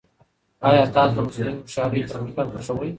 ایا تاسو د مصنوعي هوښیارۍ پرمختګ خوښوي؟